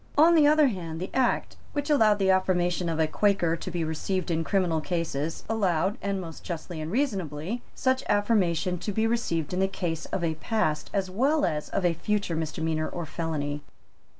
On the other hand the Act which allowed the affirmation of a Quaker to be received in criminal cases allowed, and most justly and reasonably, such affirmation to be received in the case of a past as well as of a future misdemeanour or felony.